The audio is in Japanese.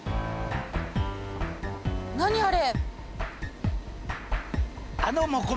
何あれ！？